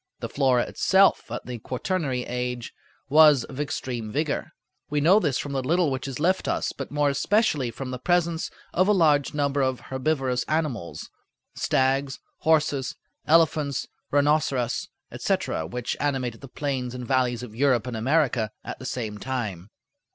The flora itself at the quaternary age was of extreme vigor. We know this from the little which is left us, but more especially from the presence of a large number of herbivorous animals—stags, horses, elephants, rhinoceros, etc.—which animated the plains and valleys of Europe and America at the same time.